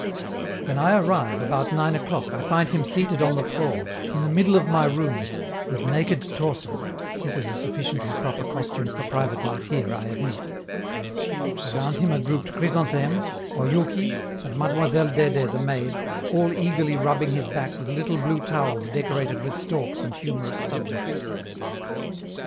When I arrive, about nine o'clock, I find him seated on the floor, in the middle of my rooms, with naked torso (this is a sufficiently proper costume for private life here, I admit). Around him are grouped Chrysantheme, Oyouki, and Mademoiselle Dede the maid, all eagerly rubbing his back with little blue towels decorated with storks and humorous subjects.